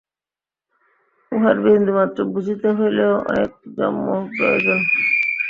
উহার বিন্দুমাত্র বুঝিতে হইলেও অনেক জন্ম প্রয়োজন।